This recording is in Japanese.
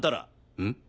うん？